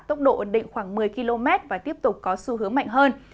tốc độ ẩn định khoảng một mươi km và tiếp tục có xu hướng mạnh hơn